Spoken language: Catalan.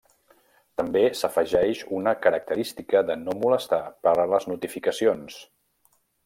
També s'afegeix una característica de no molestar per a les notificacions.